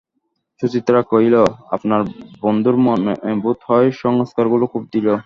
সুচরিতা কহিল, আপনার বন্ধুর মনে বোধ হয় সংস্কারগুলো খুব দৃঢ়।